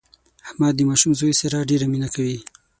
احمد د ماشوم زوی سره ډېره مینه کوي.